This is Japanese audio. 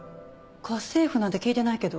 家政婦なんて聞いてないけど。